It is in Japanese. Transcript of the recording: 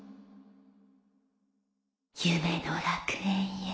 夢の楽園へ。